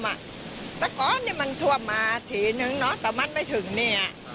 ไม่ท่วมแต่ก่อนนี่มันท่วมมาสีหนึ่งแต่มันไม่ถึงนี่